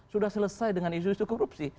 sudah selesai dengan isu isu korupsi